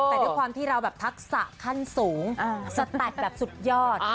แต่ด้วยความที่เราแบบทักษะขั้นสูงสแตดแบบสุดยอด